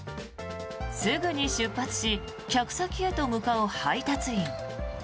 すぐに出発し客先へと向かう配達員。